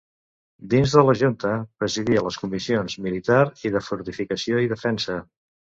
Dins de la Junta presidia les comissions Militar i de Fortificació i Defensa.